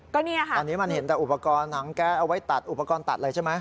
ตอนนี้มันเห็นแต่อุปกรณ์น้ำแก้เอาไว้ตัดอุปกรณ์ตัดอะไรใช่ไหม